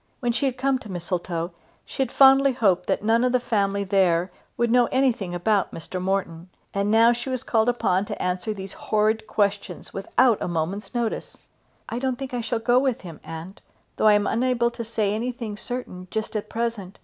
When she had come to Mistletoe she had fondly hoped that none of the family there would know anything about Mr. Morton. And now she was called upon to answer these horrid questions without a moment's notice! "I don't think I shall go with him, aunt; though I am unable to say anything certain just at present.